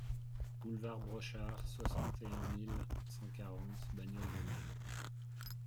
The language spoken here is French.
Boulevard Brochard, soixante et un mille cent quarante Bagnoles-de-l'Orne